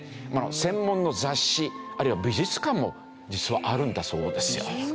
専門の雑誌あるいは美術館も実はあるんだそうです。